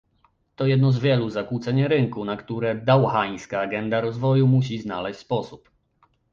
To jedno z wielu zakłóceń rynku, na które dauhańska agenda rozwoju musi znaleźć sposób